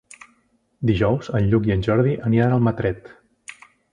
Dijous en Lluc i en Jordi aniran a Almatret.